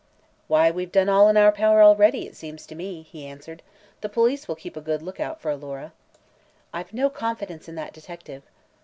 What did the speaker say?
"Why, we've done all in our power, already, it seems to me," he answered. "The police will keep a good lookout for Alora." "I've no confidence in that detective."